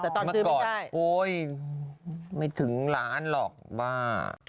แต่ตอนซื้อไม่ได้โอ้ยไม่ถึงล้านหรอกบ้า